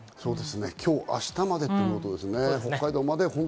今日、明日までということですね。